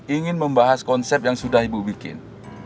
ingin membahas konsep yang sudah ibu bikin